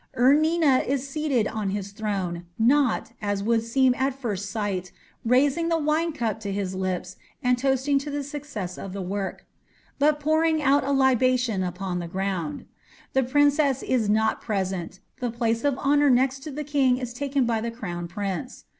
Ur Nina is seated on his throne, not, as would seem at first sight, raising the wine cup to his lips and toasting to the success of the work, but pouring out a libation upon the ground. The princess is not present; the place of honour next to the king is taken by the crown prince.